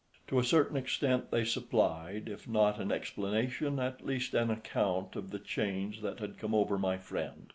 To a certain extent they supplied, if not an explanation, at least an account of the change that had come over my friend.